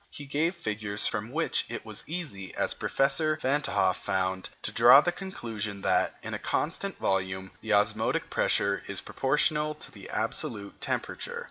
He gave figures from which it was easy, as Professor Van t'Hoff found, to draw the conclusion that, in a constant volume, the osmotic pressure is proportional to the absolute temperature.